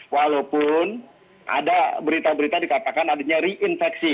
walaupun ada berita berita dikatakan adanya reinfeksi